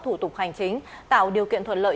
thủ tục hành chính tạo điều kiện thuận lợi